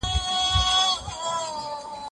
مندوب طلاق.